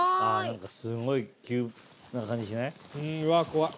すごい急な感じしない？